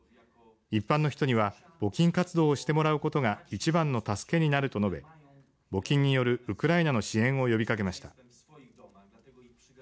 一般の人には募金活動をしてもらうことが一番の助けになると述べ募金によるウクライナの支援を呼びかけました。